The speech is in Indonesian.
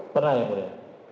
pernah yang mulia